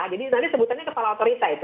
jadi nanti sebutannya kepala otorita itu